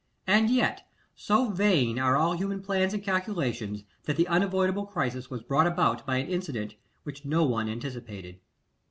And, yet, so vain are all human plans and calculations, that the unavoidable crisis was brought about by an incident which no one anticipated.